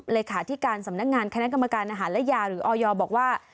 เลขาธิการสำนักงานคณะกรรมการอาหารและยาหรือออยบอกว่า